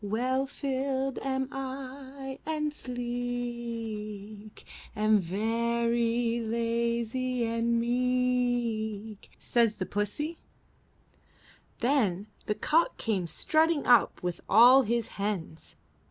'Well filled am I and sleek, Am very lazy and meek,' Says the pussie.'* Then the cock came strutting up with all his hens.